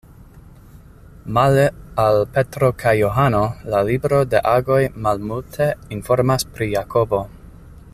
Male al Petro kaj Johano, la libro de Agoj malmulte informas pri Jakobo.